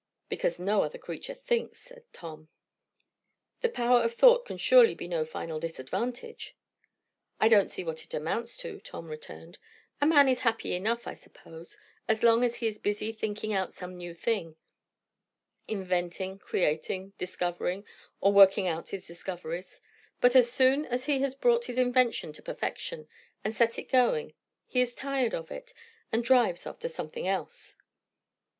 "Because no other creature thinks," said Tom. "The power of thought can surely be no final disadvantage." "I don't see what it amounts to," Tom returned. "A man is happy enough, I suppose, as long as he is busy thinking out some new thing inventing, creating, discovering, or working out his discoveries; but as soon as he has brought his invention to perfection and set it going, he is tired of it, and drives after something else."